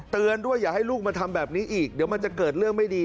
เตือนด้วยอย่าให้ลูกมาทำแบบนี้อีกเดี๋ยวมันจะเกิดเรื่องไม่ดี